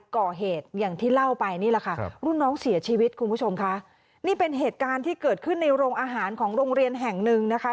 คุณผู้ชมค่ะนี่เป็นเหตุการณ์ที่เกิดขึ้นในโรงอาหารของโรงเรียนแห่งหนึ่งนะคะ